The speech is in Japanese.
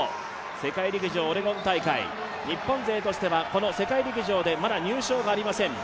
世界陸上オレゴン大会、日本勢としては、この世界陸上でまだ入賞がありません。